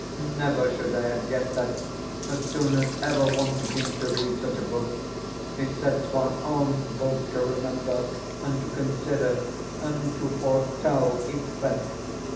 Never should I have guessed that, as soon as ever one begins to read such a book, it sets one on both to remember and to consider and to foretell events.